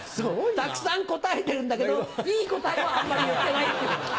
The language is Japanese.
たくさん答えてるんだけどいい答えはあんまり言ってないっていう。